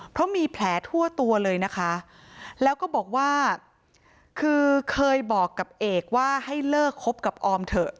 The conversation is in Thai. เพราะมีแผลทั่วตัวเลยนะคะแล้วก็บอกว่าคือเคยบอกกับเอกว่าให้เลิกคบกับออมเถอะ